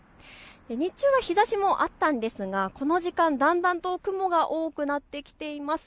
日中は日ざしもあったんですが、この時間、だんだんと雲が多くなってきています。